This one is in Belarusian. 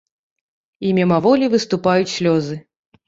І мімаволі выступаюць слёзы.